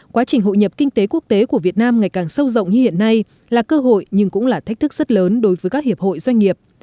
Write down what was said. quá trình hội nhập kinh tế quốc tế của việt nam ngày càng sâu rộng như hiện nay là cơ hội nhưng cũng là thách thức rất lớn đối với các hiệp hội doanh nghiệp